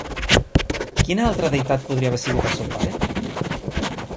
Quina altra deïtat podria haver sigut el seu pare?